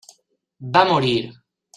Va morir.